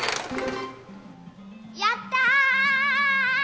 やったー！